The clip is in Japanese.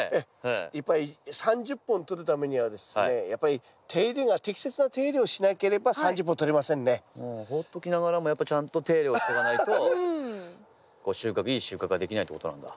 いっぱい３０本とるためにはですねやっぱりほっときながらもやっぱちゃんと手入れをしとかないと収穫いい収穫ができないってことなんだ。